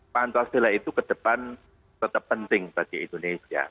pancasila itu ke depan tetap penting bagi indonesia